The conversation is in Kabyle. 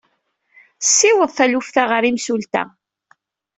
Siweḍ taluft-a ɣer imsulta.